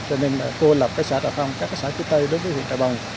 cho nên cô lập các xã trà phong các xã khu tây đối với huyện trà bồng